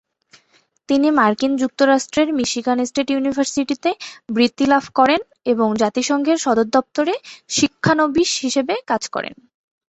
তিনি মার্কিন যুক্তরাষ্ট্রের মিশিগান স্টেট ইউনিভার্সিটিতে বৃত্তি লাভ করেন এবং জাতিসংঘের সদর দফতরে শিক্ষানবিশ হিসেবে কাজ করেন।